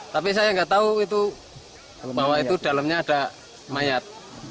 tapi saya nggak tahu itu bahwa itu dalamnya ada mayat